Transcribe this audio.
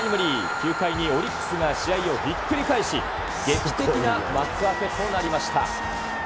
９回にオリックスが試合をひっくり返し、劇的な幕開けとなりました。